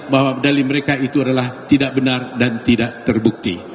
bahwa dali mereka itu adalah tidak benar dan tidak terbukti